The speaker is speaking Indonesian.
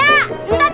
ntar telam bang